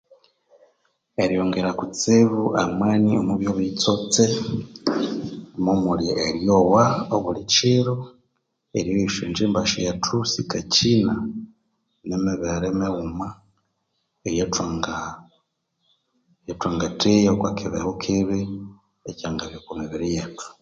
Eryongera kustibu amani omu byobuyitsotse, mwo muli eryowa obulikiro, eryoya esya ngyimba syethu sikakyina , ni mibere mighuma eya thwanga eyathwanga theya okukyibeho kyibi ekya ngabya oku mibiri yethu